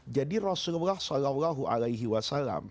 jadi rasulullah saw